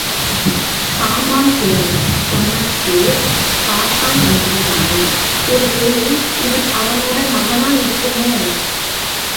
சாம்பான் கிழவன் சொன்ன பேர் காத்தான் என்பதுதானே... ஒரு வேளை இவன் அவனோட மகனாயிருக்குமோ?